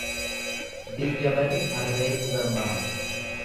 Biyya bade harreetu garmaama.